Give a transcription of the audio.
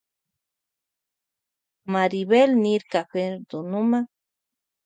Maribel niyrka Fernandoma ima shinata rikuchita ushani ñuka mamama kuyayta mana ima chaniyuktapash karashpa.